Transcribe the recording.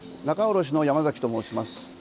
仲卸の山崎と申します。